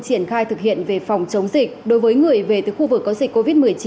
triển khai thực hiện về phòng chống dịch đối với người về từ khu vực có dịch covid một mươi chín